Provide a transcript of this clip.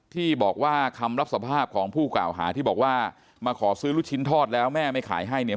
ที่บอกว่าคำรับสภาพของผู้กล่าวหาที่บอกว่ามาขอซื้อลูกชิ้นทอดแล้วแม่ไม่ขายให้เนี่ย